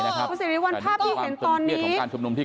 คุณฐานวัลภาพที่เห็นตอนนี้